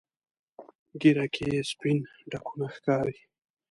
ږیره کې یې سپین ډکونه ښکاري.